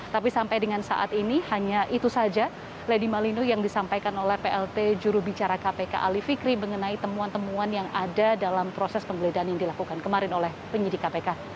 tapi sampai dengan saat ini hanya itu saja lady malino yang disampaikan oleh plt jurubicara kpk ali fikri mengenai temuan temuan yang ada dalam proses penggeledahan yang dilakukan kemarin oleh penyidik kpk